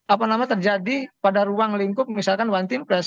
apa namanya terjadi pada ruang lingkup misalkan one team press